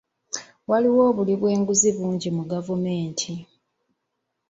Waliwo obuli bw'enguzi bungi mu gavumenti.